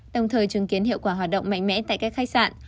đồng thời chứng kiến hiệu quả hoạt động mạnh mẽ tại các khách sạn